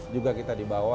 juga kita dibawa